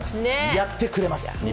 やってくれます